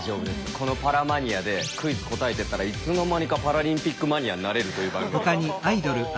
この「パラマニア」でクイズ答えてったらいつの間にかパラリンピックマニアになれるという番組なんで。